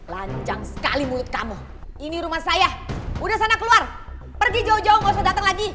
lanjang sekali mulut kamu ini rumah saya udah sana keluar pergi jauh jauh gak usah datang lagi